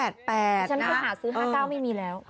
ดิฉันค่อยหาซื้อ๕๙ไม่มีแล้ว